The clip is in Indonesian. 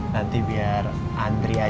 nanti biar andri aja yang ngurus adik adik